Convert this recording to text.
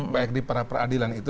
baik di pra peradilan itu